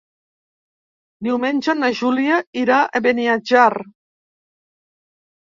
Diumenge na Júlia irà a Beniatjar.